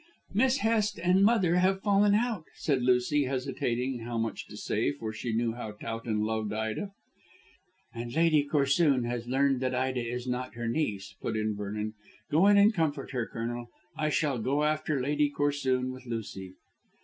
"Miss Hest and mother have fallen out," said Lucy, hesitating how much to say, for she knew how Towton loved Ida. "And Lady Corsoon has learned that Ida is not her niece," put in Vernon. "Go in and comfort her, Colonel. I shall go after Lady Corsoon with Lucy."